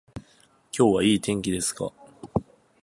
今日はいい天気ですか